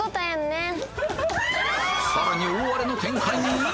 更に大荒れの展開に？